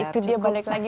itu dia balik lagi